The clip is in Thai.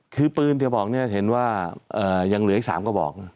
คือปืนเธอบอกเนี่ยเห็นว่ายังเหลืออีก๓กระบอก